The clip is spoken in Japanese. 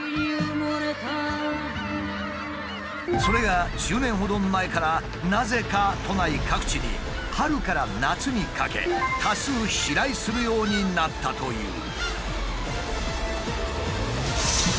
それが１０年ほど前からなぜか都内各地に春から夏にかけ多数飛来するようになったという。